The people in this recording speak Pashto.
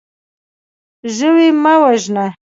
ژوی مه وژنه.